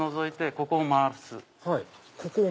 ここを回す。